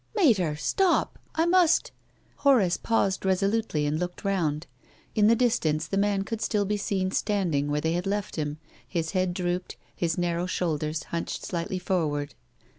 " Mater— stop ! I must " Horace paused resolutely and looked round. In the distance the man could still be seen standing where they had left him, his head drooped, his narrow shoulders hunclied slightly forward.